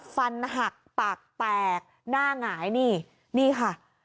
ฟันหักปากแตกหน้าหงายนี่นี่ค่ะ